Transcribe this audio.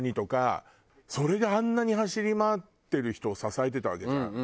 それであんなに走り回ってる人を支えてたわけじゃん。